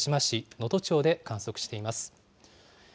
能登町で観測しています。